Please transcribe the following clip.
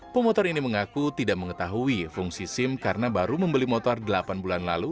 pemotor ini mengaku tidak mengetahui fungsi sim karena baru membeli motor delapan bulan lalu